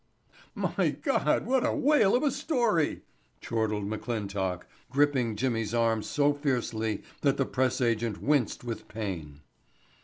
"My God, what a whale of a story," chortled McClintock, gripping Jimmy's arm so fiercely that the press agent winced with pain.